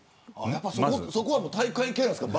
そこは体育会系ですか。